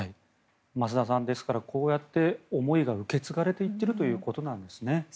増田さん、ですからこうやって思いが受け継がれていってるということなんですね。